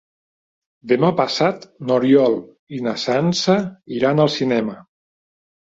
Demà passat n'Oriol i na Sança iran al cinema.